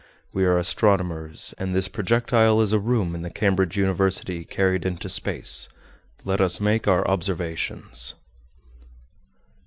We are astronomers; and this projectile is a room in the Cambridge University, carried into space. Let us make our observations!"